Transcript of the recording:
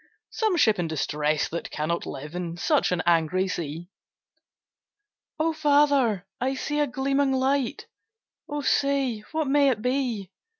'Some ship in distress that cannot live In such an angry sea!' 'O father! I see a gleaming light, O say, what may it be?'